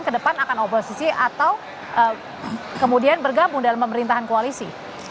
kedepan akan oposisi atau kemudian bergabung dalam pemerintahan koalisi